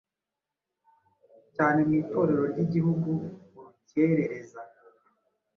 cyane mu itorero ry’igihugu Urukerereza,